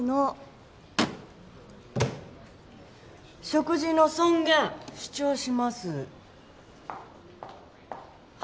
食事の尊厳主張します。